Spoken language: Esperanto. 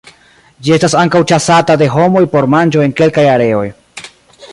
Ĝi estas ankaŭ ĉasata de homoj por manĝo en kelkaj areoj.